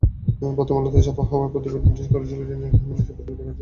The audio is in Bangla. প্রথম আলোতে ছাপা হওয়া প্রতিবেদনটি করেছিলেন ঝিনাইদহে আমাদের নিজস্ব প্রতিবেদক আজাদ রহমান।